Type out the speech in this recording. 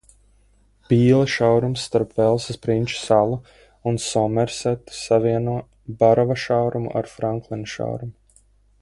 Pīla šaurums starp Velsas Prinča salu un Somersetu savieno Barova šaurumu ar Franklina šaurumu.